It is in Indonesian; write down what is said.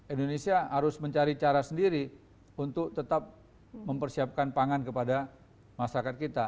indonesia harus mencari cara sendiri untuk tetap mempersiapkan pangan kepada masyarakat kita